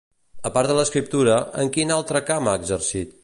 A part de l'escriptura, en quin altre camp ha exercit?